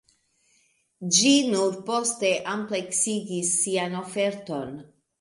Ĝi nur poste ampleksigis sian oferton.